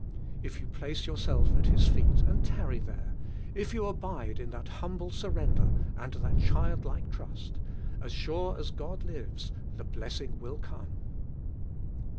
If you place yourself at His feet, and tarry there; if you abide in that humble surrender and that childlike trust, as sure as God lives the blessing will come.